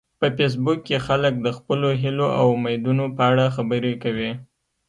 په فېسبوک کې خلک د خپلو هیلو او امیدونو په اړه خبرې کوي